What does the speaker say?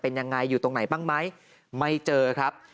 เป็นยังไงอยู่ตรงไหนบ้างไหมไม่เจอครับ